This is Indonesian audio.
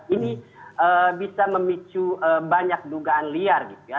ini bisa memicu banyak dugaan liar gitu ya